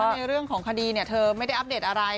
ในเรื่องของคดีเธอไม่ได้อัปเดตอะไร